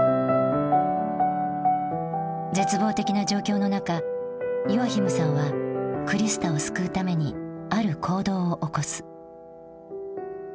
絶望的な状況の中ヨアヒムさんはクリスタを救うためにある行動を起こす。